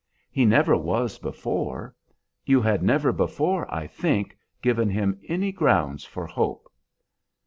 He never was before. You had never before, I think, given him any grounds for hope?"